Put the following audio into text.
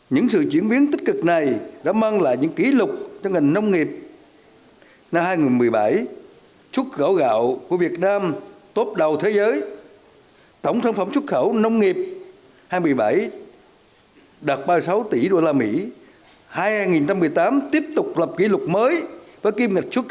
những sự chuyển biến tích cực này đã mang lại những kỷ lục cho ngành nông nghiệp năm hai nghìn một mươi bảy chúc gạo gạo của việt nam tốt đầu thế giới